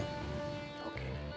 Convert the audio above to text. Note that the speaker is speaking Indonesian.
terima kasih boy